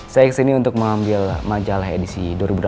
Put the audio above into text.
saya kesini untuk mengambil majalah edisi dua ribu delapan belas